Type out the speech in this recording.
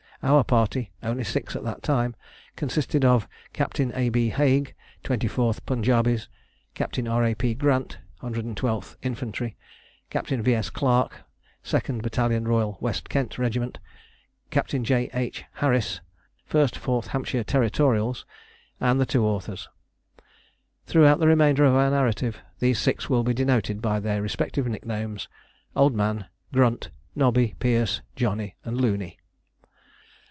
Our party, only six at that time, consisted of Captain A. B. Haig, 24th Punjabis; Captain R. A. P. Grant, 112th Infantry; Captain V. S. Clarke, 2nd Batt. Royal West Kent Regiment; Captain J. H. Harris, 1/4 Hampshire Territorials; and the two authors. Throughout the remainder of our narrative these six will be denoted by their respective nicknames: Old Man, Grunt, Nobby, Perce, Johnny, and Looney.